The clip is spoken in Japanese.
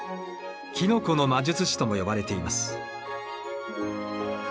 キノコの魔術師とも呼ばれています。